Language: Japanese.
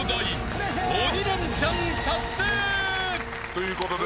ということで。